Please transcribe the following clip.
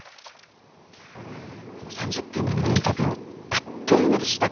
３０分のインタビューあっという間でした。